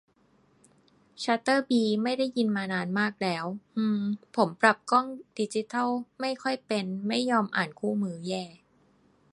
ชัตเตอร์บี ไม่ได้ยินมานานมากแล้ว อืม ผมปรับกล้องดิจิทัลไม่ค่อยเป็น ไม่ยอมอ่านคู่มือ แย่